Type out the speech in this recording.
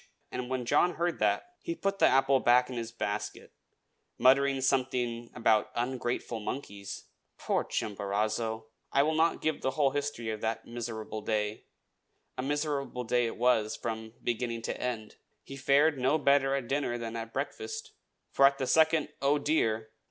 And when John heard that he put the apple back in his basket, muttering something about ungrateful monkeys. Poor Chimborazo! I will not give the whole history of that miserable day, a miserable day it was from beginning to end. He fared no better at dinner than at breakfast; for at the second "Oh, dear!"